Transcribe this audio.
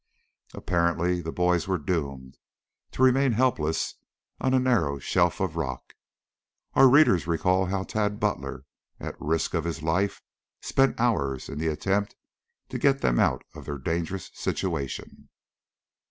Apparently the boys were doomed to remain helpless on a narrow shelf of rock; our readers recall how Tad Butler, at the risk of his life, spent hours in the attempt to get them out of their dangerous situation.